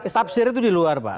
tafsir itu diluar pak